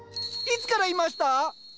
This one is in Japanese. いつからいました？